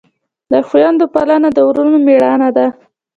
د خویندو پالنه د ورور مړانه ده.